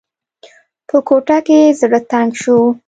په کوټه کې زړه تنګ شو.